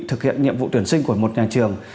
thực hiện nhiệm vụ tuyển sinh của một nhà trường